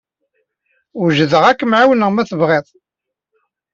Wejdeɣ ad kem-ɛawneɣ ma tebɣid.